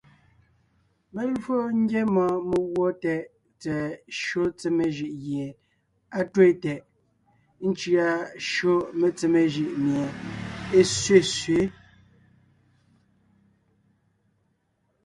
Mé lwo ńgyá mɔɔn meguɔ tɛʼ tsɛ̀ɛ shÿó tsemé jʉʼ gie á twéen tɛʼ, ńcʉa shÿó metsemé jʉʼ mie é sẅesẅě.